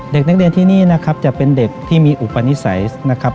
เด็กนักเรียนที่นี่นะครับจะเป็นเด็กที่มีอุปนิสัยนะครับ